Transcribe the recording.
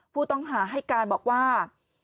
ผู้ต้องหาให้การบอกว่า